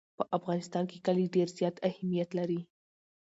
په افغانستان کې کلي ډېر زیات اهمیت لري.